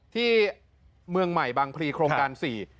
ที่เมืองใหม่บางพลีโครงการ๔